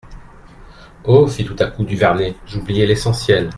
Oh ! fit tout à coup Duvernet, j'oubliais l'essentiel.